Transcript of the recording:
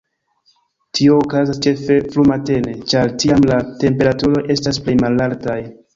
Tio okazas ĉefe frumatene, ĉar tiam la temperaturoj estas plej malaltaj.